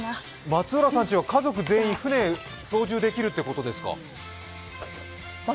松浦さんたちは家族全員、船が操縦できるということですか？